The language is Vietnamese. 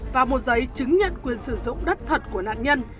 và một giấy chứng nhận quyền sử dụng đất thật của nạn nhân